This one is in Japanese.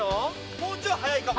もうちょい速いかも。